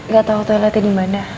gatau toiletnya dimana